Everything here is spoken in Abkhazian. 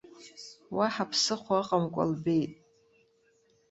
Уаҳа ԥсыхәа ыҟамкәа лбеит.